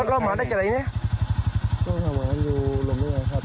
น้องรอบมาได้จากไหนเนี้ยน้องรอบมาอยู่ลงที่ไหนครับ